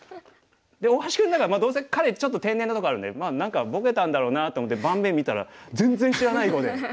で大橋君ならまあどうせ彼ちょっと天然なところあるんでまあ何かボケたんだろうなと思って盤面見たら全然知らない碁で。